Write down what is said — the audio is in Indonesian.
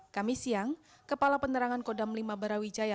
kami siang kepala penerangan kodam lima barawijaya